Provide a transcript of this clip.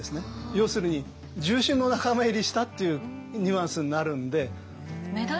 要するに重臣の仲間入りしたっていうニュアンスになるんで。